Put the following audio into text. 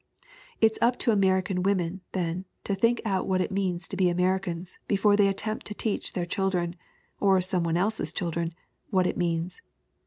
"It's up to American women, then, to think out what it means to be Americans before they attempt to teach their children or some one else's children what it means.